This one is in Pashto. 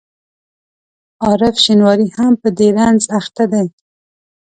عارف شینواری هم په دې رنځ اخته دی.